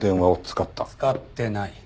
使ってない。